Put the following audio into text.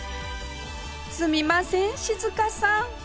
すみません静香さん